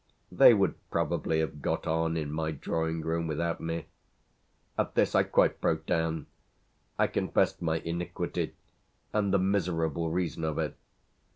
They would probably have got on in my drawing room without me. At this I quite broke down I confessed my iniquity and the miserable reason of it.